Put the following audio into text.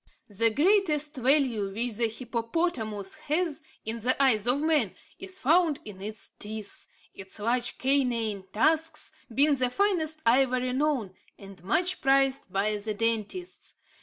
The greatest value which the hippopotamus has, in the eyes of man, is found in its teeth, its large canine tusks being the finest ivory known, and much prized by the dentists.